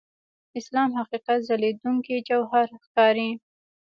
اسلام حقیقت ځلېدونکي جوهر ښکاري.